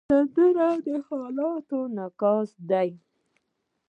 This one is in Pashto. سندره د حالاتو انعکاس دی